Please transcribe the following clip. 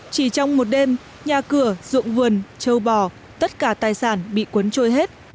chỉ trong một đêm nhà cửa ruộng vườn châu bò tất cả tài sản bị cuốn trôi hết